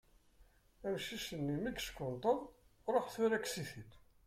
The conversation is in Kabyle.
Amcic-nni, mi yeckenṭeḍ, ṛuḥ tura kkes-it-id.